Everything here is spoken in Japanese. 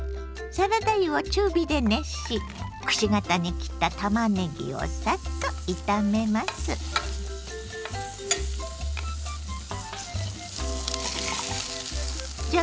サラダ油を中火で熱しくし形に切ったたまねぎをサッと炒めます。